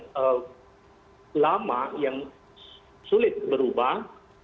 cara pandang lama yang sulit berubah